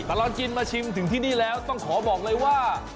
ตลอดกินมาชิมถึงที่นี่แล้วต้องขอบอกเลยว่า